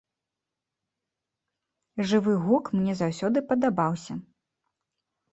Жывы гук мне заўсёды падабаўся.